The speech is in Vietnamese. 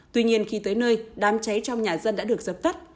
tuy nhiên khi tới nơi đám cháy trong nhà dân đã được dập tắt